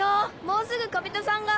もうすぐ小人さんが。